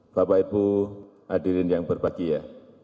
bapak ibu hadirin yang berbahagia